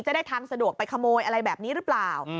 ได้ทางสะดวกไปขโมยอะไรแบบนี้หรือเปล่า